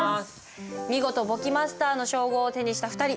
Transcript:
見事簿記マスターの称号を手にした２人。